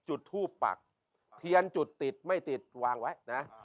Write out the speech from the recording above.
จุดทูปปักเพียนจุดติดไม่ติดวางไว้นะ